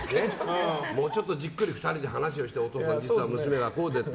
もうちょっとじっくり２人で話をしてさ実は娘がこうでって。